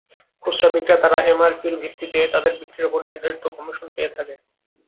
খুচরা বিক্রেতারা এমআরপির ভিত্তিতে তাদের বিক্রির ওপর নির্ধারিত কমিশন পেয়ে থাকে।